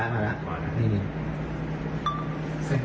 ดูสิ